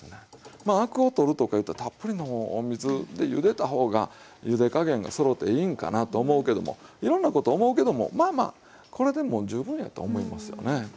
まあアクを取るとかいったらたっぷりのお水でゆでた方がゆで加減がそろっていいんかなと思うけどもいろんなこと思うけどもまあまあこれでもう十分やと思いますよね。